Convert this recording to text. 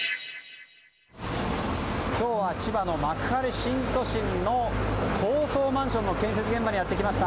今日は千葉の幕張新都心の高層マンションの建設現場にやってきました。